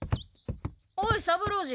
おい三郎次！